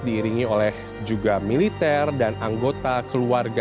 diiringi oleh juga militer dan anggota keluarga